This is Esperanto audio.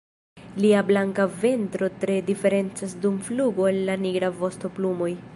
Lia blanka ventro tre diferencas dum flugo el la nigraj vostoplumoj.